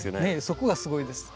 そこがすごいです。